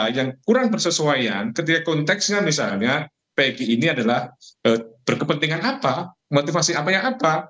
maksudnya kalau memang persesuaian ketika konteksnya misalnya pegi ini adalah berkepentingan apa motivasi apanya apa